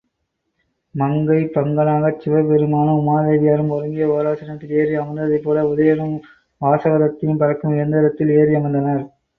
மங்கை பங்கனாகச் சிவ பெருமானும் உமாதேவியாரும் ஒருங்கே ஓராசனத்தில் ஏறி அமர்ந்ததைப்போல உதயணனும், வாசவதத்தையும் பறக்கும் இயந்திரத்தில் ஏறியமர்ந்தனர்.